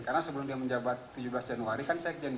karena sebelum dia menjabat tujuh belas januari kan sekjen